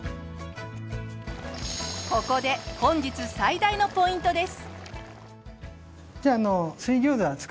ここで本日最大のポイントです。